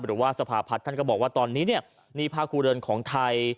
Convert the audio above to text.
หรือว่าสภาพัฒน์ท่านก็บอกว่าตอนนี้เนี่ยหนี้ภาคครัวเรือนของไทย